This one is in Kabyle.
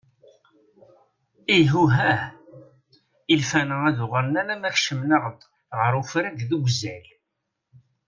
Ihuh ah! ilfan-a ad uɣalen alma keččmen-aɣ-d ɣer ufrag deg uzal.